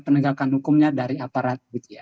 penegakan hukumnya dari aparat